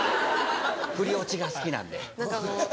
ふりオチが好きなんで。